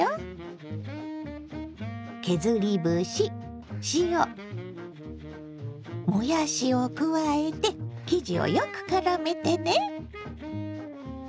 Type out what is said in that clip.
削り節塩もやしを加えて生地をよくからめてね。